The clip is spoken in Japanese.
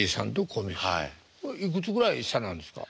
いくつぐらい下なんですか？